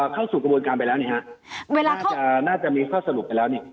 เข้าสู่กระบวนการไปแล้วนี่ฮะน่าจะมีข้อสรุปไปแล้วนี่